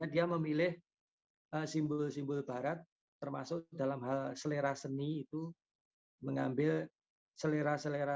dia memilih simbol simbol barat termasuk dalam hal selera seni itu mengambil selera selera